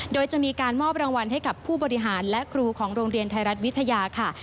โดยจะมีการมอบรางวัลให้กับผู้บริหารและครูของโรงเรียนไทยรัฐวิทยาค่ะ